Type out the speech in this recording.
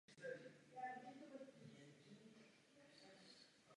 Komponoval chrámové i světské skladby.